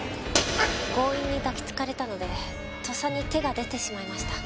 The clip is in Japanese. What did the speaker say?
強引に抱きつかれたのでとっさに手が出てしまいました。